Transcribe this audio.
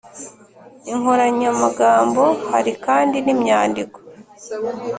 inkoranyamagambo Hari kandi n’imyandiko